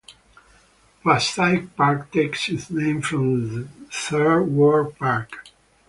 Passaic Park takes its name from Third Ward Park.